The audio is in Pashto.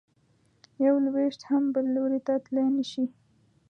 یو لویشت هم بل لوري ته تلی نه شې.